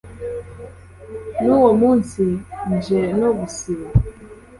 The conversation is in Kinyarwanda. n’uwo munsi nje no gusiba